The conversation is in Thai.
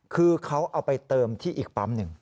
คือเขาเอาไปเติมที่อีกปั๊มหนึ่ง